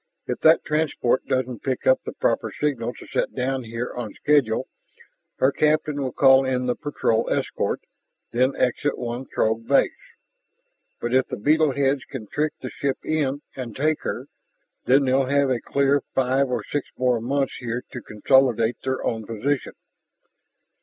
"If that transport doesn't pick up the proper signal to set down here on schedule, her captain will call in the patrol escort ... then exit one Throg base. But if the beetle heads can trick the ship in and take her, then they'll have a clear five or six more months here to consolidate their own position.